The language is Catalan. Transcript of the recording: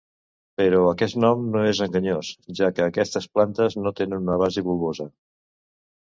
Però aquest nom és enganyós, ja que aquestes plantes no tenen una base bulbosa.